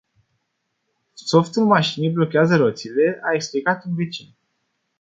Softul mașinii blochează roțile a explicat un vecin.